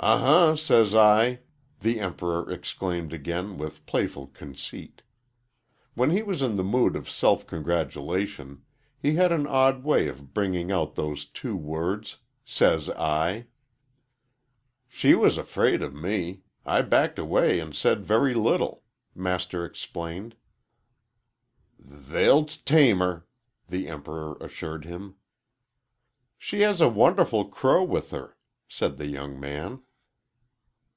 "Uh huh, says I!" the Emperor exclaimed again, with playful conceit. When he was in the mood of self congratulation he had an odd way of bringing out those two words "says I." "She was afraid of me. I backed away and said very little," Master explained. "Th they'll t tame her," the Emperor assured him. "She has a wonderful crow with her," said the young man.